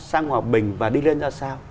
sang hòa bình và đi lên ra sao